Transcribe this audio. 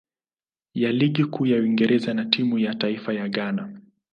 ya Ligi Kuu ya Uingereza na timu ya taifa ya Ghana.